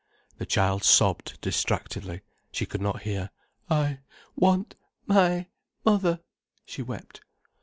The child sobbed distractedly, she could not hear. "I want—my—mother," she wept.